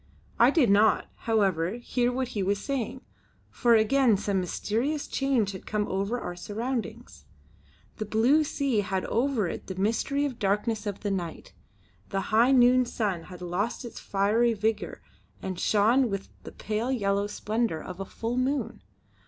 I did not, however, hear what he was saying, for again some mysterious change had come over our surroundings. The blue sea had over it the mystery of the darkness of the night; the high noon sun had lost its fiery vigour and shone with the pale yellow splendour of a full moon.